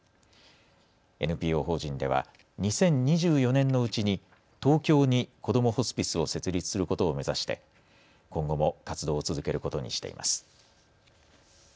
ＮＰＯ法人では２０２４年のうちに東京に、こどもホスピスを設立することを目指して今後も活動を続けることにしています。